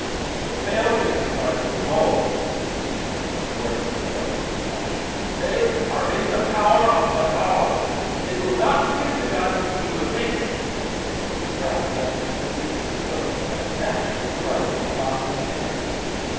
"The Pale faces are too bold," he exclaimed, working himself into a passion. "They are in the power of Mahtawa. If they will not give the gun he will take it." He sprang suddenly to his feet as he spoke, and snatched the rifle from Henri's hand.